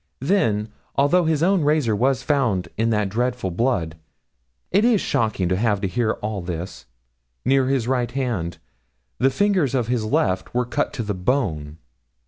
Then, although his own razor was found in that dreadful blood (it is shocking to have to hear all this) near his right hand, the fingers of his left were cut to the bone.